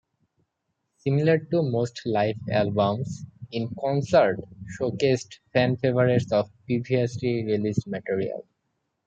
Similar to most live albums, In Concert showcased fan favourites of previously released material.